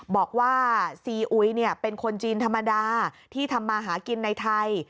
บอกว่าซีอุยเป็นคนจีนธรรมดาที่ทำมาหากินในไทย